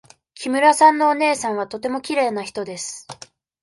木村さんのお姉さんはとてもきれいな人です。